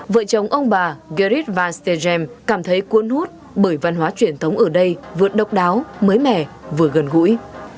vợ chồng ông bà gerrit van stegem cảm thấy cuốn hút bởi văn hóa truyền thống ở đây vượt độc đáo mới mẻ vừa gần gũi